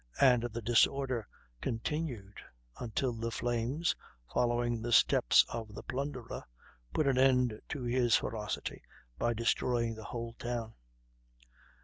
and the disorder continued until the flames, following the steps of the plunderer, put an end to his ferocity by destroying the whole town."